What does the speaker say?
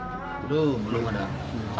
tidak belum ada